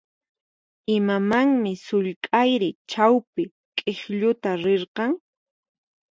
Imamanmi sullk'ayri chawpi k'iklluta rirqan?